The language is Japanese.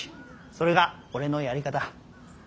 それが俺のやり方。